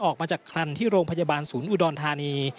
ออกมาจากคลันที่โรงพยาบาลศูนย์อุดรธานี